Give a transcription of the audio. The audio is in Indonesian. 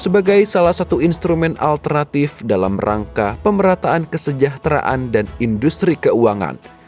sebagai salah satu instrumen alternatif dalam rangka pemerataan kesejahteraan dan industri keuangan